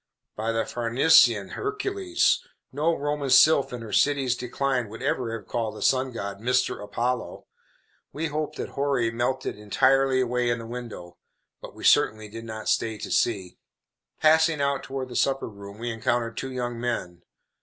By the Farnesian Hercules! no Roman sylph in her city's decline would ever have called the sun god, Mr. Apollo. We hope that houri melted entirely away in the window; but we certainly did not stay to see. Passing out toward the supper room we encountered two young men.